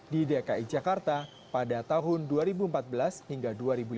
di dki jakarta pada tahun dua ribu empat belas hingga dua ribu lima belas